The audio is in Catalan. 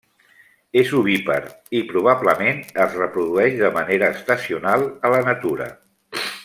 És ovípar i, probablement, es reprodueix de manera estacional a la natura.